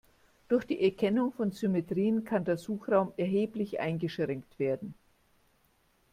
Durch die Erkennung von Symmetrien kann der Suchraum erheblich eingeschränkt werden.